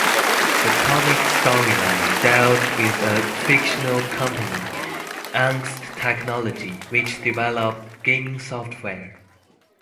The comic's storyline dealt with a fictional company, Angst Technology, which developed gaming software.